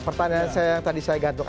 pertanyaan saya yang tadi saya gantung